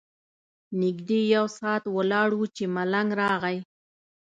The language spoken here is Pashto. نږدې یو ساعت ولاړ وو چې ملنګ راغی.